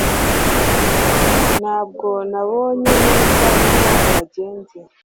Ntabwo nabonye neza uko byagenze